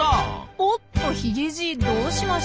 おっとヒゲじいどうしました？